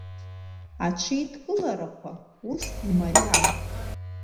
Аҽеидкыларақәа ус имариам.